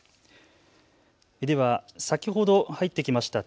では先ほど入ってきました